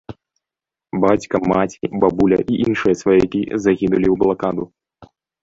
Бацька, маці, бабуля і іншыя сваякі загінулі ў блакаду.